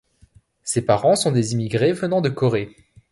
Ses parents sont des immigrés venant de Corée.